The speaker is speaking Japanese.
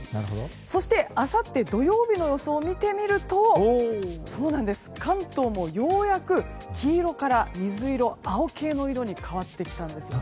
そして、あさって土曜日の予想を見てみると関東もようやく黄色から水色など青系の色に変わってきたんですよね。